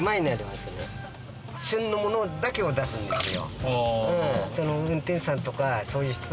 旬のものだけを出すんですよ。